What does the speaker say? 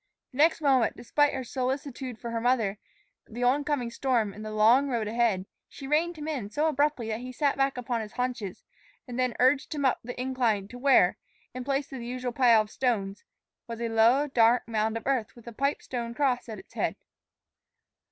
The next moment, despite her solicitude for her mother, the oncoming storm and the long road ahead, she reined him in so abruptly that he sat back upon his haunches, and then urged him up the incline to where, in place of the usual pile of stones, was a low, dark mound of earth with a pipestone cross at its head.